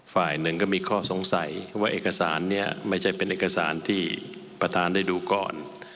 ฝ่ายหนึ่งก็มีข้อสงสัยว่าเอกสารนี้ไม่ใช่เป็นเอกสารที่ประธานได้ดูก่อน